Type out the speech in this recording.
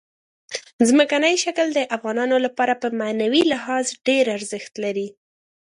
ځمکنی شکل د افغانانو لپاره په معنوي لحاظ ډېر ارزښت لري.